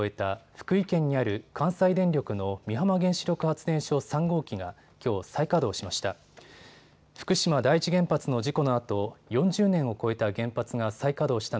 福井県にある関西電力の美浜原子力発電所３号機がきょう、再稼働しました。